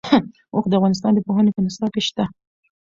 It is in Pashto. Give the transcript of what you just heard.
اوښ د افغانستان د پوهنې په نصاب کې شته.